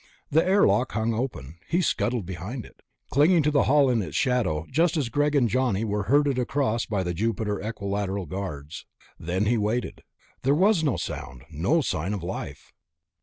The airlock hung open; he scuttled behind it, clinging to the hull in its shadow just as Greg and Johnny were herded across by the Jupiter Equilateral guards. Then he waited. There was no sound, no sign of life.